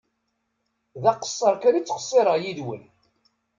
D aqesser kan i ttqessireɣ yid-wen.